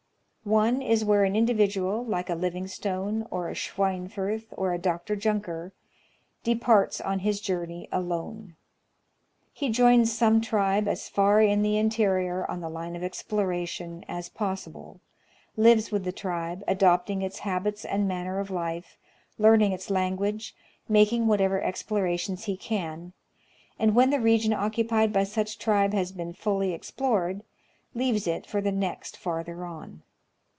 One is where an individual, like a Livingstone, or a Schweinfurth, or a Dr. Junker, departs on his journey alone. He joins some tribe as far in the interior, on the line of exploration, as possible ; lives with the tribe, adopting its habits and manner of life, learning its lan guage, making whatever explorations he can ; and, when the region occupied by such tribe has been fully explored, leaves it for the next farther on.